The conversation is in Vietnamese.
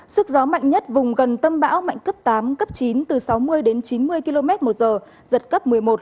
sức gió mạnh nhất vùng gần tâm bão mạnh cấp tám cấp chín từ sáu mươi đến chín mươi km một giờ giật cấp một mươi một